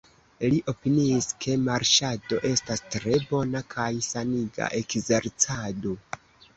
Li opiniis, ke marŝado estas tre bona kaj saniga ekzercado.